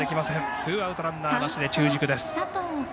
ツーアウト、ランナーなしで中軸です。